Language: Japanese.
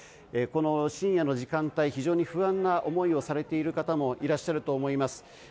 この深夜の時間帯、非常に不安な思いをされている方もいらっしゃると思います。